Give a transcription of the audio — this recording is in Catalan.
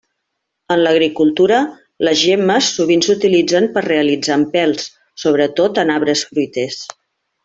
En l'agricultura, les gemmes sovint s'utilitzen per a realitzar empelts, sobretot en arbres fruiters.